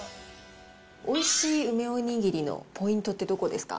おいしい梅おにぎりのポイントってどこですか？